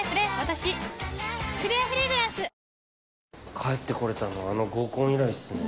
帰って来れたのあの合コン以来っすね。